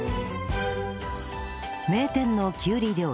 名店のきゅうり料理